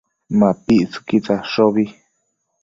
MapictsËquid tsadshobi